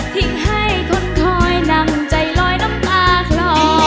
ทิ้งให้คนคอยนำใจลอยน้ำตาคลอ